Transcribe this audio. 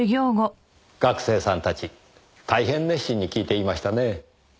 学生さんたち大変熱心に聞いていましたね。